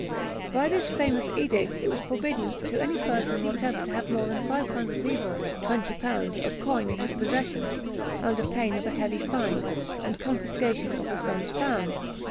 By this famous edict it was forbidden to any person whatever to have more than five hundred livres (20l.) of coin in his possession, under pain of a heavy fine, and confiscation of the sums found.